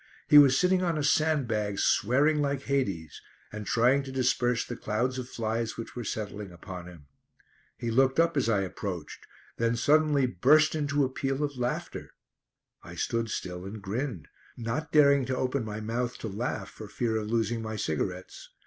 He was sitting on a sandbag swearing like Hades, and trying to disperse the clouds of flies which were settling upon him. He looked up as I approached, then suddenly burst into a peal of laughter. I stood still and grinned, not daring to open my mouth to laugh for fear of losing my cigarettes.